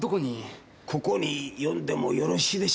ここに呼んでもよろしいでしょうか。